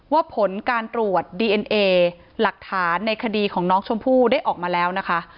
ผลการตรวจดีเอ็นเอหลักฐานในคดีของน้องชมพู่ได้ออกมาแล้วนะคะ